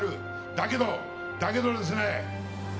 だけど、だけどですね